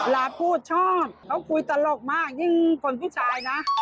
ลาพูดชอบเขาคุยตลกมากยิ่งคนผู้ชายนะ